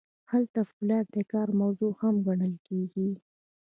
هلته فولاد د کار موضوع هم ګڼل کیږي.